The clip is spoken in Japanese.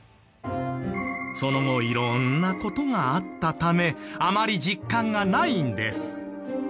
その後色んな事があったためあまり実感がないんです。